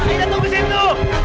aida tunggu situ